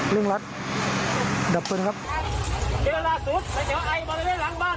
เริ่มรัดดับเพลิงครับเดี๋ยวลาสุดแล้วเดี๋ยวไอบริเวณหลังบ้าน